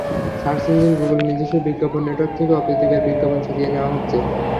Search engine গুগলের নিজস্ব বিজ্ঞাপন নেটওয়ার্ক থেকে অপ্রীতিকর বিজ্ঞাপন সরিয়ে নেওয়া হচ্ছে।